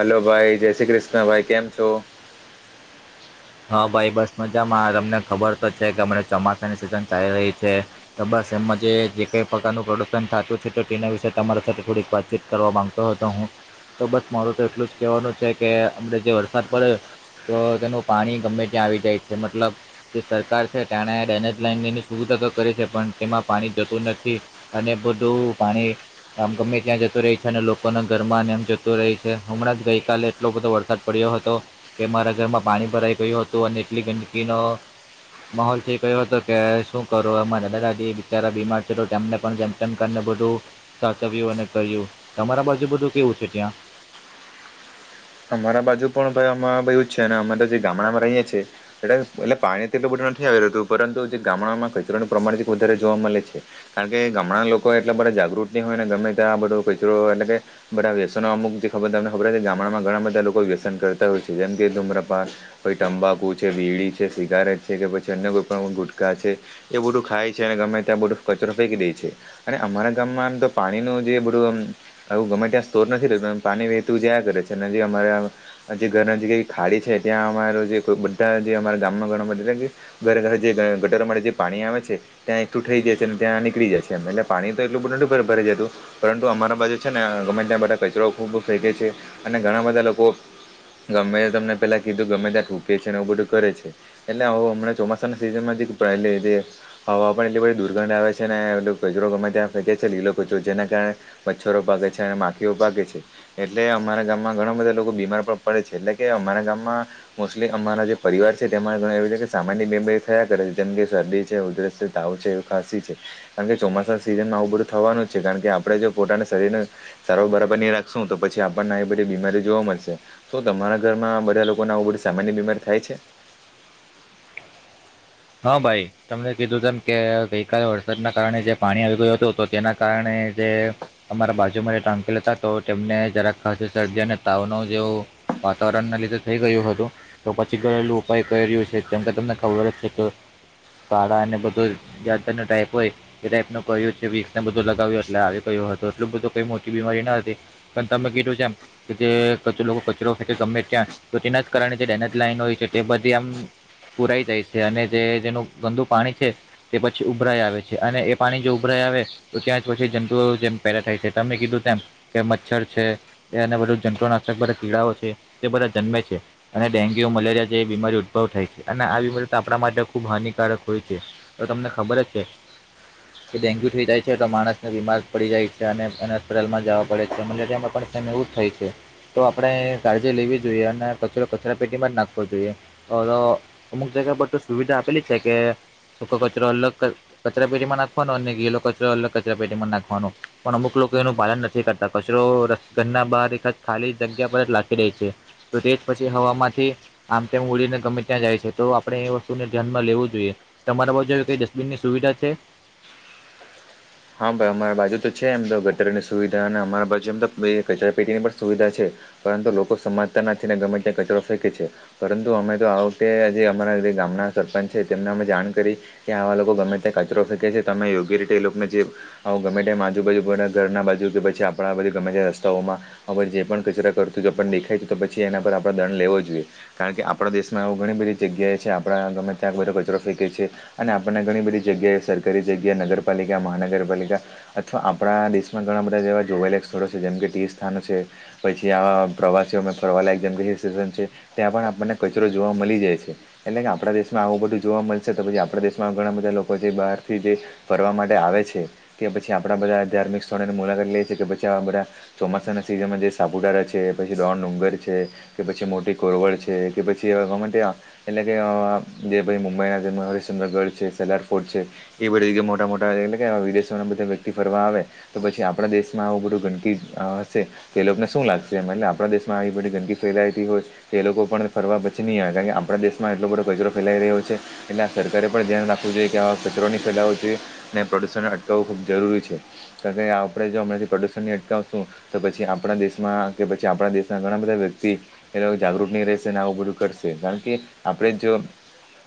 Hello ભાઈ જય શ્રી કૃષ્ણ ભાઈ કેમ છો? હા ભાઈ બસ મજામાં તમને ખબર તો છે કે અને ચોમાસાની સિઝન ચાલી રહી છે. તો બસ એમમાં જે જે કઈ પ્રકારનું પ્રોડક્શન થતું છે તો તેના વિશે તમારા સાથે થોડીક વાતચીત કરવા માંગતો હતો હું તો બસ મારું તો એટલું જ કહેવાનું છે કે આપણે જે વરસાદ પડે તો તેનું પાણી ગમે ત્યાં આવી જાય છે મતલબ જે સરકાર છે ટાણા ડેનેજ લાઈનની સુવિધા તો કરે છે પણ તેમાં પાણી જતું નથી. અને બધું પાણી આમ ગમે ત્યાં જતું રહી છે અને લોકોના ઘરમાંને એમ જતું રહી છે હમણાં જ ગઈકાલે એટલો બધો વરસાદ પડ્યો હતો કે મારા ઘરમાં પાણી ભરાઈ ગયું હતું અને એટલી ગંદકીનો માહોલ થઈ ગયો હતો કે શું કરો અમારા દાદા દાદી બિચારા બીમાર છે તો તેમને પણ જેમ ટનકારને બધું સાચવ્યું અને કર્યું તમારા બાજુ બધું કેવું છે ત્યાં? અમારા બાજુ પણ ભાઈ અમાર એવું છે અમે જે ગામડામાં રહીએ છીએ. એટલું એટલે પાણી એટલું બધું નથી આવી રહેતું પરંતુ જે ગામડામાં કચરાનું પ્રમાણ વધારે જોવા મળે છે. કારણ કે ગામડાના લોકો એટલા બધા જાગૃત ની હોય ને ગમે ત્યાં બધું કચરો એટલે કે બધા આ વ્યસનનો અમુક ખબર તમને ખબર ગામડામાં ઘણા બધા લોકો વ્યસન કરતા હોય છે જેમ કે ધુમ્રપાન કોઈ તંબાકુ છે બીડી છે સિગારેટ છે કે પછી અન્ય કોઈ પણ ગુટકા છે. એ બધું ખાય છે અને ગમે ત્યાં બધું કચરો ફેંકી દે છે. અને અમારા ગામમાં આમ તો પાણીનું જે બધું આમ આવું ગમે ત્યાં સ્તોર નથી રહેતો પાણી વહેતું જયા કરે છે અને હજી અમારે જે ઘર જે ખાલી છે ત્યાં અમાર જે બધા જે અમારા ગામમાં ઘર [unintelligible] ઘરે ઘરે જે ગટરો માટે જે પાણી આવે છે. ત્યાં એકઠું થઈ જાય છે અને ત્યાં નીકળી જાય છે એટલે પાણી તો એટલું બધું ભ ભરાઈ જતું પરંતુ અમારા બાજુ છે ને ગમે ત્યાં બધા કચરો ખૂબ ફેંકે છે અને ઘણા બધા લોકો ગમે તમને પેલા કીધું ગમે ત્યા થુંકે છે ને એવું બધું કરે છે. એટલે આવો હમણાં ચોમાસા ના સિઝન માં જ એટલે હવા પણ એટલી બધી દુર્ગંધ આવે છે ને એટલો કચરો ગમે ત્યાં ફેકે છે એ લોકો જેના કારણે મચ્છરો ભાગે છે અને માખીઓ ભાગે છે એટલે આમ અમારા ગામમાં ઘણા બધા લોકો બીમાર પણ પડે છે એટલે કે અમારા ગામમાં મોસ્ટલી અમારા જે પરિવાર છે તેમાં ઘરે એવું છે કે સામાન્ય બીમારી થયા કરે છે જેમ કે શરદી છે ઉધરસ છે તાવ છે. ખાસી છે કારણ કે ચોમાસાના સિઝનમાં આવું બધું થવાનું જ છે કારણ કે આપણે જો પોતાના શરીરને સારવાર બરાબરની રાખશું તો પછી આપ ણને આવી બધી બીમારી જોવા મળશે તો તમારા ઘરમાં બધા લોકોને આવું બધી સામાન્ય બીમારી થાય છે? હ ભાઈ. તમને કીધું તેમ કે ગઈકાલે વરસાદના કારણે જે પાણી આવી ગયું હતું તો તેના કારણે જે અમારા બાજુમાં જે અંકલ હતાં તો તેમને જરાક ખાસી શરદી અને તાવનો જેવો વાતાવરણના લીધે થઈ ગયું હતું તો પછી ઘરેલું ઉપાય કર્યું છે જેમ કે તમને ખબર છે તો કાળાં અને બધો જાત જાતનો ટાઈપ હોય. એ ટાઈપનુ ક્યું છે વિક્સને બધું લગાવ્યું એટલે આવી ગયું હતું એટલું બધું કઈ મોટી બીમારી ન હતી. પણ તમે કીધું તેમ કે જે કચલો કચરો ગમે ત્યાં તો તેના જ કારણે જે ડ્રેનેજ લાઈન હોય છે તે બધી આમ પુરાઈ જાય છે. અને જે જેનું ગંદુ પાણી છે તે પછી ઉભરાઈ આવે છે અને એ પાણી જો ઉભરાઈ આવે ત્યાં જ પછી જંતુઓ જેમ પેદા થાય છે તમે કીધું તેમ કે મચ્છર છે એ અને બધું જતુંનાશક બધાં કીડાઓ છે તે બધાં જન્મે છે. અને ડેન્ગ્યુ, મલેરિયા જેવી બીમારી ઉદભવ થાય છે અને આ બીમારીઓ તો આપણા માટે ખૂબ હાનિકારક હોય છે તો તમને ખબર જ છે. કે ડેન્ગ્યુ થઈ જાય છે તો માણસને બીમાર પડી જાય છે અને એને હોસ્પિટલમાં જાવા પડે છે તેમાં પણ એમ એવું જ થાય છે તો આપણે કાળજી લેવી જોઈએ અને કચરો કચરાપેટીમાં જ નાખવો જોઈએ. અવે તો અમુક જગ્યા પર તો સુવિધા આપેલી જ છે કે સૂકો કચરો અલગ કચરાપેટીમાં નાખવાનો અને ગીલો કચરો અલગ કચરાપેટીમાં નાખવાનો. પણ અમુક લોકો એનું પાલન નથી કરતાં, કચરો ઘરના બહાર એકાદ ખાલી જગ્યા પર જ લાખી દે છે. તો તે જ પછી હવામાંથી આમતેમ ઉડીને ગમે ત્યાં જાય છે તો આપણે ધ્યાનમાં લેવું જોઈએ તમારે બાજુ આવી કઈ ડસ્ટબિનની સુવિધા છે? હા ભાઈ અમારા બાજુ તો છે એમ તો ગટરની સુવિધા અને અમારા બાજુ એમ તો કચરાપેટીની પણ સુવિધા છે. પરંતુ લોકો સમાજતા નથી ને ગમે ત્યાં કચરો ફેંકે છે. પરંતુ અમે તો આ વખતે આજે અમારા જે ગામનાં સરપંચ છે તેમને અમે જાણ કરી. કે આવા લોકો ગમે ત્યાં કચરો ફેકે છે તમે યોગ્ય રીતે એ લોકને જે આવું ગમે તેમ આજુબાજુ કોઈના ઘરનાં બાજુ કે પછી આપણા બાજુ ગમે ત્યાં રસ્તાઓમાં હવે જે પણ કચરા કરતું જો આપણને દેખાય તો તો પછી એના પર આપણે દંડ લેવો જોઈએ. કારણ કે આપણા દેશમાં એવો ઘણી બધી જગ્યાએ છે આપણાં ગમે ત્યાં બધો કચરો ફેંકે છે. અને આપણને ઘણી બધી જગ્યાએ સરકારી જગ્યાએ નગરપાલિકા મહાનગરપાલિકા અથવા આપણા દેશમાં ઘણાં બધા જેવા જોવાયલા સ્થળો છે જેમ કે તીર્થસ્થાનો છે. પછી આવા પ્રવાસીઓમાં ફરવાલાયક જેમ કે ની સિઝન છે. ત્યાં પણ આપણને કચરો જોવા મલી જાય છે. એટલે કે આપણા દેશમાં આવું બધું જોવા મલશે તો પછી આપણા દેશમાં ઘણાં બધાં લોકો જે બહારથી જે ફરવા માટ આવે છે કે પછી આપણા બધાં ધાર્મિક સ્થળોની મુલાકાત લે છે કે પછી આવાં બધાં ચોમાસાના સિઝનમાં જે સાપુતારા છે પછી ડોન ડુંગર છે. કે પછી મોટી કોરવડ છે કે પછી અ ગમે ત્યાં એટલે કે જે ભઈ મુંબઈના જે હરેિશચન્દ્રગઢ છે, સરદાર ફોર્ટ છે એ બધી જગ્યાએ મોટાં મોટાં એટલે કેવા આવા વિદેશોના બધાં વ્યક્તિ ફરવા આવે તો પછી આપણા દેશમાં આવું બધું ગંદકી હશે. તો એ લોકને શું લાગશે? એટલે આપણા દેશમાં આવી બધી ગંદકી ફેલાતી હોય તે એ લોકો પણ ફરવા પછી નહીં આવે કારણ કે આપણા દેશમાં એટલો બધો કચરો ફેલાઈ રહ્યો છે. એટલે આ સરકારે પણ ધ્યાન રાખવું જોઈએ કે આવા કચરો ની ફેલાવો જોઈએ. ને પ્રદૂષણને અટકાવવું ખૂબ જરૂરી છે કારણ કે આપણે જો હમણાંથી પ્રદૂષણ ની અટકાવશું તો પછી આપણા દેશમાં કે પછી આપણાં દેશનાં ઘણા બધા વ્યક્તિ એ લોકો જાગૃત નહીં રહેશે ને આવું બધું કરશે કારણ કે આપણે જો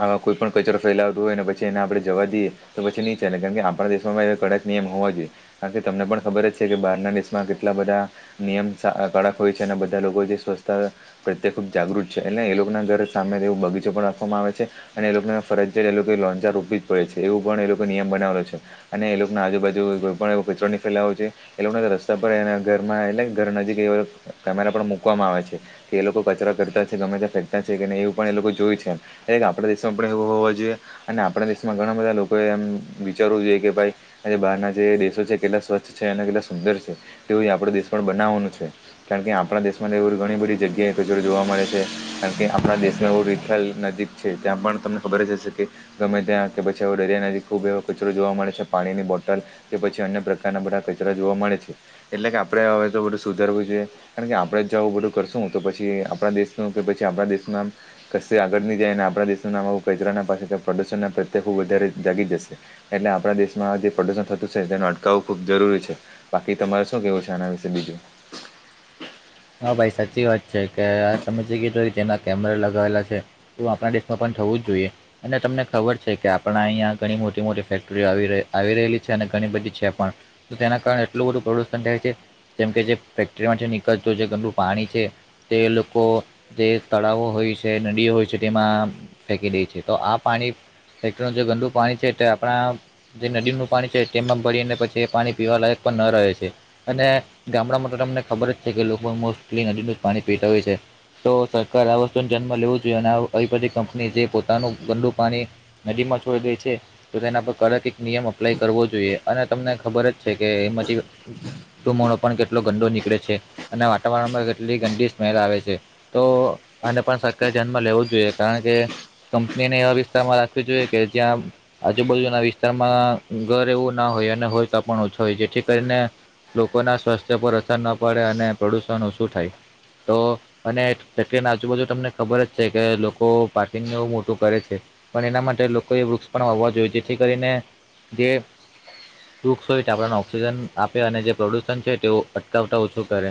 આવા કોઈ પણ કચરો ફેલાવતું હોય ને પછી એને આપણે જવા દીએ તો પછીની ચાલે કારણ કે આપણા દેશમાં કડક નિયમ હોવા જોઈએ. કારન કે તમને પણ ખબર જ છે કે બહારનાં દેશમાં કેટલા બધાં નિયમ કડક હોય છે ને બધા લોકો જે સ્વચ્છતા પ્રત્યે ખુબ જાગૃત છે. એટલે એ લોકો ના ઘર સામે એવો બગીચો પણ રાખવામાં આવે છે. અને એ લોકોને ફરજિયાત એ લોકો લોંચાર રૂપી જ પડે છે. એવું પણ એ લોકો નિયમ બનાવેલો છે. અને એ લોકો ના આજુાજુ કોઈ પણ એ કચરણી ફેલાવ જોઈએ. એટ લોકોને રસ્તા પર એ ઘરમાં એટલે ઘર નજીક એ કેમેરા પણ મૂકવામાં આવે છે. કે એ લોકો કચરા કરતા છે. ગમે ત ફેંતા છે. કે એવું પણ એ લોકો જોય છે. આપણા દેશમાં પણ એવ હોવાો જોઈએ. અને આપણા દેશમાં ઘણા બધા લોકો એમ. વિચારવું જોઈએ કે, ભાઈ આજે બહાર ના જે દેશો છે. કેટલા સ્વચ્છ છે, અને કેટલા સુંદર છે. તેવું આપડો દેશ પણ બનાવવાનું છે. કારણ કે, આપણા દેશ માં એ ઘણી બધી જગ્યાએ કચરો જોવા મળે છે. કારણ કે આપણા દેશમાં એવું રીઠેલ નદીક. છે ત્યાં પણ તમને ખબર જ હશે. કે ગમે ત્યાં કે પછા દરિયાના. ખૂબ એવો કચરો જોવા મળે છે. પાણીની બોટલ કે પછી અન્ય પ્રકારના બધા કચરા જોવા મળે છે. એટલે કે આપડે હવે તો બધું સુધરવું જોઈએ. કારણ કે આપણે જ જાું બધું કરશું? તો પછી આપણા દેશનું કે પછી આપણા દેશનું આમ. કશે આગળ ની જાય અને આપણા દેશનું નામ આવું કચરા પાસે પ્રદુષણ ના પ્રત્યે બહુ વધારે જાગી જાય. એટલે આપણા દેશમાં જે પ્રદુષણ થતું છે. તેને અટકાવવું ખુબ જરૂરી છે. બાકી તમારે શું કેવું છે? આના વિશે બીજું? હા ભાઈ સાચી વાત છે કે આ તમે જે કીધું તેના કેમેરા લગાવેલા છે. તો આપણા દેશમાં પણ થવું જ જોઈએ અને તમને ખબર છે કે આપણા અહીંયા ઘણી મોટી મોટી ફેક્ટરીઓ આવી આવી રહેલી છે અને ઘણી બધી છે પણ તેના કારણે એટલું બધું પ્રદુષણ થાય છે જેમ કે જે ફેક્ટરીમાં જે નીકળત જે ગંદું પાણી છે તે લોકો જે તળાવો હોય છે નદીઓ હોય છે તેમાં ફેંકી દે છે તો આ પાણી ફેક્ટનું જે ગંદુ પાણી છે તે આપણા, જે નદીનું પાણી છે માં ભરીને પછી એ પાણી પીવાલાયક પણ ન રહે છે અને ગામડામાં તો તમને ખબર જ છે કે લોકો મોસ્ટલી નદીનું જ પાણી પીતા હોય છે તો સરકારારે આ વસ્તુ જન્મ લેવો જોઈએ અને પાી કંપની જે પોતાનું ગડુ પાણી નદી માં છોડી દઈ છે તો તેના પર કડક એક નિયમ અપ્લાય કરવો જોઈએ અને તમને ખબર જ છે કે એમાં તુ મોનો પણ કેટલો ગંદો નીકળે છે અને વાતાવરણમાં કેટલી ગંદી સ્મેલ આવે છે તો આને પણ સક્ય જન્મ લેવું જ જોઈએ કારણ કે કંપનીને એવા વિસ્તારમાં રાખવી જોઈએ કે જ્યાં આજુબાજુના વિસ્તારમાં ઘર એવું ના હોય અને હોય તોાપ ઓછું હોય જેથી કરીને લોકોના સ્વાસ્થ્ય પર અસર ના પડે અને પ્રદુષણ ઓછું થાય તો, અને ફકરીને આજુબાજુ તમને ખબર જ છે કે લોકો પાર્કિંગને એવું મોટું કરે છે. પણ એના માટે લોકોએ વૃક્ષ પણ વાવા જોઈએ જેથી કરીને જે, વૃક્ષ હોય આપણને ઓક્સિજન આપે અને જે પ્રદુષણ છે તે અટકાવતા ઓછું કરે.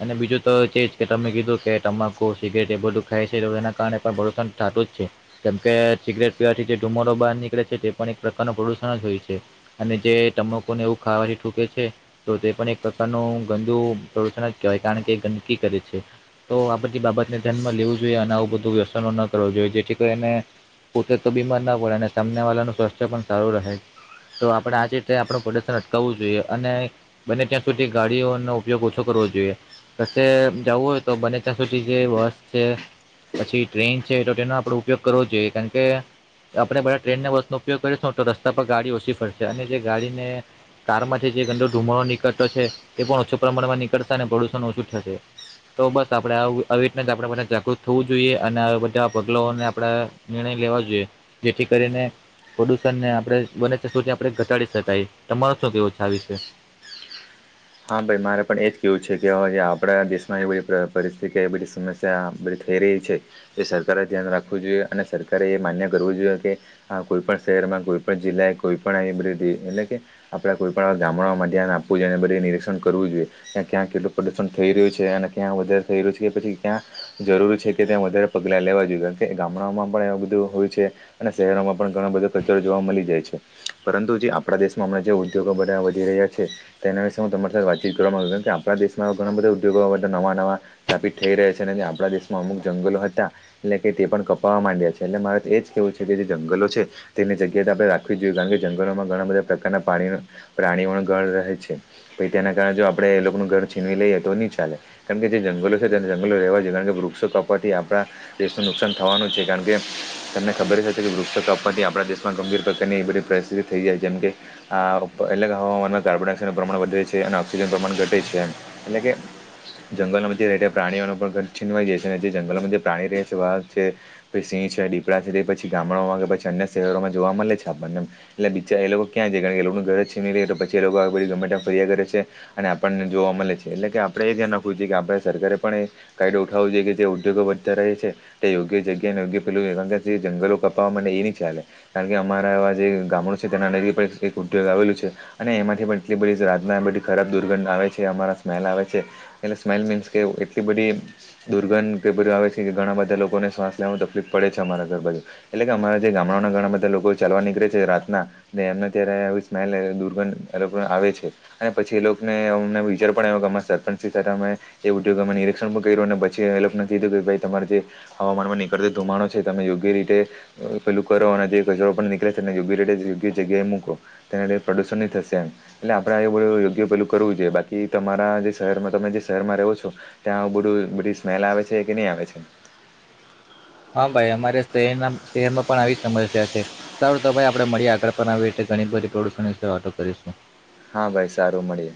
અને બીજું તો છેજ કે તમે કીધું કે તમાકુ સિગરેટ એ બધું ખાય છે તો એના કારણે પણ પરતન થતું જ છે જેમકે સિગરેટ પીવાથી જે ધુમરો બહાર નીકળે છે તે પણ એક પ્રકારનું પ્રદુષણ જ હોય છે. અને જે તમાકુને એવું ખાવાથી ૂકે છે તો તે પણ એક પ્રકારનું ગંદુ કવાય કારણ કે ગંદકી કરે છે તો આ બધી બાબતને ધ્યાનમાં લેવું જોઈએ અને આવું બધું વ્યસનો ન કરવું જોઈએ જેથી કરીએને, પોતે તો બીમાર ના પડે અને સામને વાળાનું સ્વાસ્થ્ય પણ સારું રહે તો આપડણે આજે આપણું પ્રદર્શન અટકાવવું જોઈએ અને બને ત્યાં સુધી ગાડીઓનોો ઉપયોગ ઓછો કરવો જોઈએ કશે જવું હોય તો બને ત્યાં સુધી જે બસ છે પછી ટ્રેન છે તો ટ્રેન નો આપડો ઉપયોગ કરવો જોઈએ કારણ કે આપડણે બધા ટ્રેનને બસનો ઉપયોગ કરીશુંને તો રસ્તા પર ગાડી ઓછી ફરશે અને જે ગાડીને, કારમાંથી જે ગંદો ધુમો નીિકટ છે તે પણ ઓછા પ્રમાણમાં નીકળશે અને પ્રદુષણ ઓછું થશે તો બસ આપણેેને આપણે બધા જાગૃત થવું જોઈએ અને બધા પગલાને આપણેે, નિર્ણય લેવા જોઈએ જેથી કરીને પ્રદુષણ ને આપણે બને છે સુથી આપણે ઘટાડી શકાય તમારો શું કેવું છે આ વિશે. હા ભાઈ મારે પણ એજ કેવું છે કે આપણા દેશમાં એ બધી પરિસ્થિતિ એ બધી સમસ્યા. બધી થઈ રહી છે એ સરકારે ધ્યાન રાખવું જોઈએ અને સરકારે એ માન્ય કરવું જોઈએ કે હા કોઈ પણ શહેરમાં કોઈ પણ જિલ્લા એ કોઈ પણ એબટી એટલે કે આપડે કોઈ પણ જામડામાં મધ્યાન આપવુંઈને બધી કરવું જોઈએ્યા ક્યાં કેટલું પ્રદુશન થઈ રહ્યું છે અને ક્યાં વધારે થઈ રહ્યું છે કે પછી ક્યાં જરૂરી છે કે ત્યાં વધારે પગલા લેવા જોઈએ કારણ કે ગામડાઓમાં પણ એ બધું હોય છે. અને શહેરોમાં પણ ઘણા બધા કચરો જોવા મળી જાય છે. પરંતુ જે આપણા દેશમાંણાં જે ઉદ્યોગો બધ વધી રહ્યા છે તેના વિ હું તમારી સાથે વાતચીત કરવામાંગું કેમ કે આપણા દેશમાં ઘણા બધા ઉદ્યોગો હતા નવા નવા સ્થાપિત થઈ રહ્યા છે અને આપણા દેશમાં અમુક જંગલો હતા. એટલે કે તે પણ કપાવા માંડ્યા છે એટલે મારે એજ કેવું છે કે જે જંગલો છે. તેની જગ્યા આપણે રાખવી જોઈએ કારણ કે જંગલોમાં ઘણા બધા પ્રકારના પાણી પ્રાણીઓ ગળ રહે છે. પછ તેના કારણે જો આપણેે એ લોકોનું ઘર છીનવી લઈએ તો ની ચાલે. કારણ કે જે જંગલો છે તેને જંગલો રહેવા જોઈ કારણ કે વૃક્ષો કાપવાથી આપણા દેશનું નુકસાન થવાનું છે કારણ કે તમને ખબર છેશે કે વૃક્ષ કાપવાથી આપણા દેશમાં ગંભીર પ્રકારની એ બધી પરિસ્થિત થઈ જાય જેમ કે આ અલગ હવામાનમાં કાર્બન ડાયક્સાઇડ પ્રમાણ વધે છે અને ઓક્સિજન પ્રમાણ ઘટે છે એ એટલે કે જંગલમાં જે રહે પ્રાણીઓનો પણ છીનવાઈ જાય છે જે જંગલમાં જે પ્રાણી રહેવા છે. ભછ સિંહ છે દીપડા છે તે પછી ગામડામાં કે પછી અન્ય શહેરોમાં જોવા મળે છે આપણને. એટલે બીા એ લોકો ક્યાં જ ગ ઘરે છેે પછી એ લોકો આ ગમે ફરિયા કરે છે. અને આપણને જોવા મળે છે એટલે કે આપડે એ ધ્યાન રાખવું છેએ કે આપ સરકારે પણ એ કાયદો ઉઠાવો જેઈ કે તે ઉદ્યોગો વધતા રહે છે. તે યોગ્ય જગ્યા યોગ્ય પ જંગલો કપવાને એની ચાલે. કારણ કે અમારાવા જે ગામડું છે તેના લ પણ એક ઉદગ આવેલું છે અને એમાંથી પણ એટલી બધી રાધના બધી ખરાબ દુર્ઘંધના આવે છે અમારા સ્મેલ આવે છે. એટલે સ્માઈલ મીન્સ કે એટલી બધી દુર્ગંધ પેપર આવે છે કે ઘણા બધા લોકોને શ્વાસ લેવાનું તકલીફ પડે છે અમારા ઘર બાજુ એટલે કે અમારા જે ગામડાના ઘણા બધા લોકો ચાલવા નીકળે છે રાતના એમને અ્યારે આવ સ્માઈલ દુર્ગંધ એ આવે છે. અને પછી એ લોકોને અમને વિચાર પણ આવ્યો કે અમારા સરપંચથી સાથે અમે એવુંું કે અમે નિરીક્ષણ પણ કર્યું અને પછી હેલ્પ નથી કીધું કે ભાઈ તમારે જે હવામાન માં નીકળતા ધુમાણો છે તમે યોગ્ય રીતે પેલું કરો અને કચરો પણ નીકળે છે યોગ્ય ર યોગ્ય જગ્યાએ મૂકો તેના લ પ્રદુષણ થશે એમ એટલે આપણેે આ બધું યોગ્ય પેલું કરવું જોઈએ બાકી તમારા જે શહેરમાં તમે જે શહેરમાં રહો છો. ત્યાં બધું બધું સ્મેલ આવે છે કે નહીં આવે છે? હા ભાઈ અમારે શહેરના શહેરમાં પણ આવી સમસ્યા છે. સારું તો ભાઈ આપણે મળી આગળ પણ આવીી ઘણી બધી પ્રદુષણ વિશે વાતો કરીશું. હા ભાઈ સારું મળીએ.